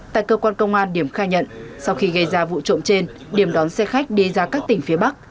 tại cơ quan công an điểm khai nhận sau khi gây ra vụ trộm trên điểm đón xe khách đi ra các tỉnh phía bắc